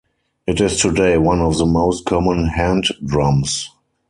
It is today one of the most common hand drums.